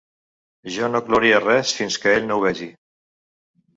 Jo no clouria res fins que ell no ho vegi.